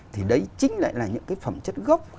thì đấy chính lại là những cái phẩm chất gốc